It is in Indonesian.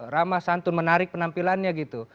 rama santun menarik penampilannya gitu